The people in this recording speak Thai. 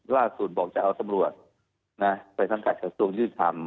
ล่าสูตรบอกจะเอาตำรวจไปทำกัดกระทรวงยืดทำ